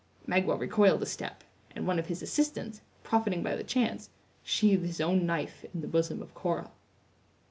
Magua recoiled a step; and one of his assistants, profiting by the chance, sheathed his own knife in the bosom of Cora.